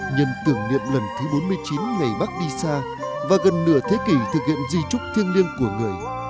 nhân tưởng niệm lần thứ bốn mươi chín ngày bác đi xa và gần nửa thế kỷ thực hiện di trúc thiêng liêng của người